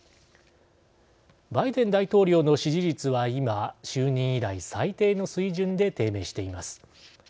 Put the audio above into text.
バイデン大統領の支持率は今就任以来、最低の水準で低迷しています。